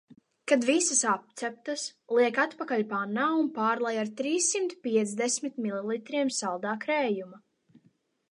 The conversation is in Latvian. Kad visas apceptas, liek atpakaļ pannā un pārlej ar trīssimt piecdesmit mililitriem saldā krējuma.